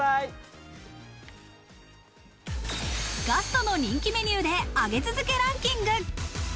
ガストの人気メニューで上げ続けランキング。